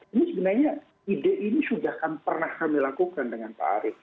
ini sebenarnya ide ini sudah akan pernah kami lakukan dengan pak arief